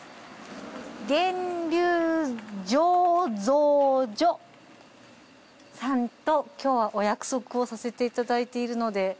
源流醸造所さんと今日はお約束をさせていただいているので。